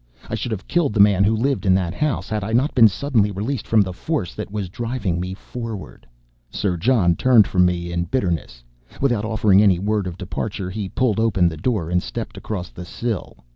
I should have killed the man who lived in that house, had I not been suddenly released from the force that was driving me forward!" Sir John turned from me in bitterness. Without offering any word of departure, he pulled open the door and stepped across the sill.